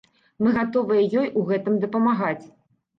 Мы гатовыя ёй у гэтым дапамагаць.